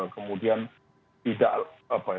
kemudian tidak apa ya